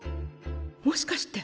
もしかして。